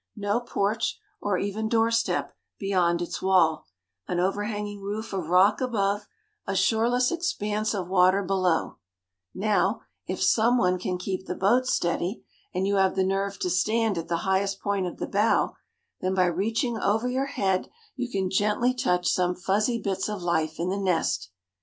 No porch, or even doorstep, beyond its wall—an overhanging roof of rock above, a shoreless expanse of water below; now, if some one can keep the boat steady, and you have the nerve to stand at the highest point of the bow, then by reaching over your head you can gently touch some fuzzy bits of life in the nest.